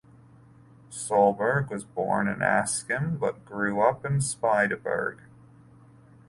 Solberg was born in Askim, but grew up in Spydeberg.